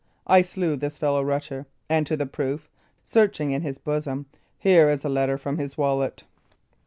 I slew this fellow Rutter; and to the proof" searching in his bosom "here is a letter from his wallet."